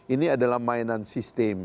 ini adalah mainan sistem